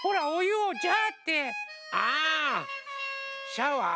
シャワー？